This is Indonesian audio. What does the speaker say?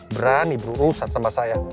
berani berurusan sama saya